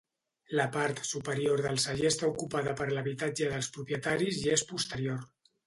La part superior del celler està ocupada per l'habitatge dels propietaris i és posterior.